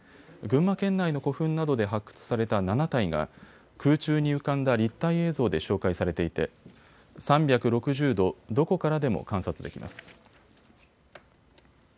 群馬県内の古墳などで発掘された７体が空中に浮かんだ立体映像で紹介されていて３６０度、どこからでも観察できます。